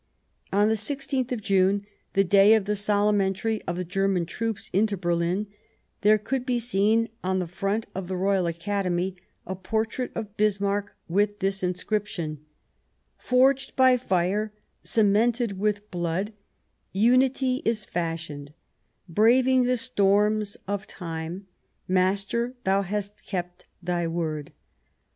On the i6th of June, the day of the solemn entry of the German troops into Berlin, there could be seen on the front of the Royal Academ}'^ a portrait of Bismarck with this inscription :" Forged by fire, cemented with blood, unity is fashioned, braving the storms of time. Master, thou hast kept thy word."